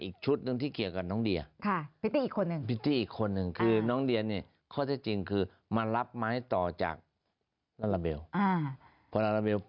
คือมันถูกอายุตัว